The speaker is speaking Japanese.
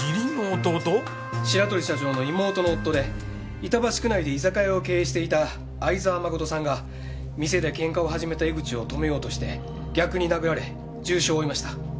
白鳥社長の妹の夫で板橋区内で居酒屋を経営していた相沢誠さんが店でケンカを始めた江口を止めようとして逆に殴られ重傷を負いました。